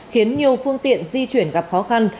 khiến nhiều phương tiện di chuyển gặp khó khăn